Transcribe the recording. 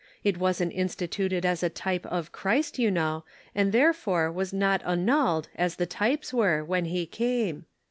It wasn't instituted as a type of Christ, you know, and therefore was not annulled as the types were, when he came.